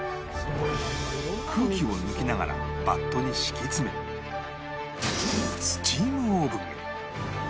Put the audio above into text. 空気を抜きながらバットに敷き詰めスチームオーブンへ